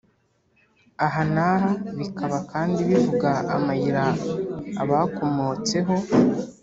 aha n’aha, bikaba kandi bivuga amayira abakomotseho